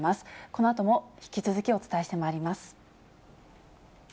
このあとも引き続きお伝えしてまいります。